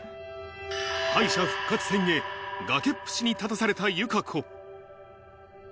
敗者復活戦へ、崖っぷちに立たされた友香子。